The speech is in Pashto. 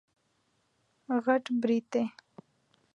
غټ برېتی